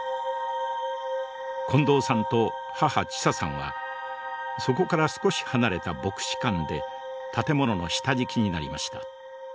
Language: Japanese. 近藤さんと母チサさんはそこから少し離れた牧師館で建物の下敷きになりました。